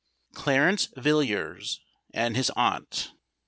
CLARENCE VILLIERS AND HIS AUNT.